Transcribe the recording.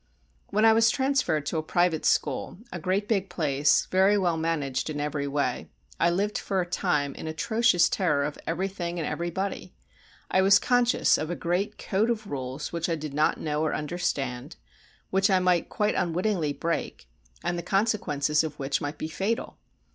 When I was transferred to a private school, a great big place, very well managed in every way, I lived for a time in atrocious terror of everything and everybody. I was conscious of a great code of rules which I did not know or understand, which I might quite unwittingly break, and the consequences of which might be fatal.